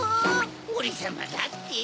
オレさまだって。